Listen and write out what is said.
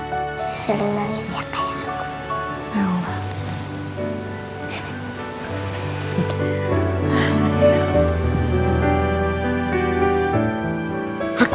masih seru nangis ya kayak aku